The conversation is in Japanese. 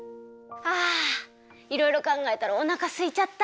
あいろいろかんがえたらおなかすいちゃた。